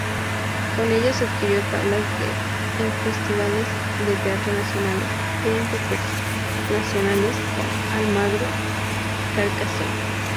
Con ellas adquirió tablas en festivales de teatro nacionales e internacionales como Almagro, Carcassonne.